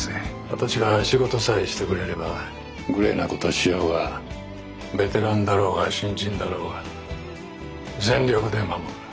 私は仕事さえしてくれればグレーなことをしようがベテランだろうが新人だろうが全力で守る。